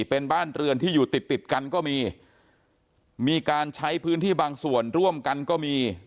เป็นบ้านเรือนที่อยู่ติดติดกันก็มีมีการใช้พื้นที่บางส่วนร่วมกันก็มี